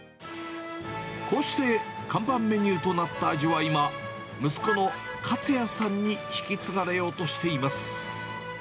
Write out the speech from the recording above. こうして看板メニューとなった味わいは、息子のかつやさんに引き継がれようとしています。